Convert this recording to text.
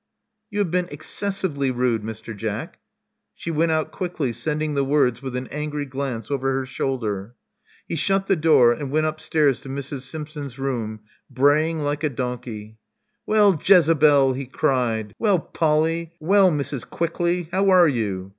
*'You have been excessively rude, Mr. Jack." She went out quickly, sending the words with an angry glance over her shoulder. He shut the door, and went upstairs to Mrs. Simpson's room, braying like a donkey. Well, Jezebel," he cried. Well, Polly. Well, Mrs. Quickly. How are you?"